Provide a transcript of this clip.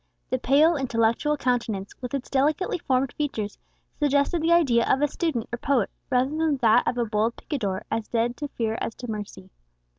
The pale intellectual countenance, with its delicately formed features, suggested the idea of a student or poet, rather than that of a bold picador as dead to fear as to mercy.